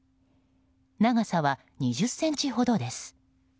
長さは２０ｃｍほどです。